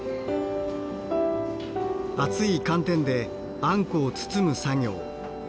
熱い寒天であんこを包む作業。